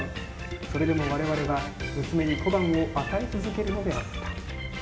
それでも我々は娘に小判を与え続けるのであった。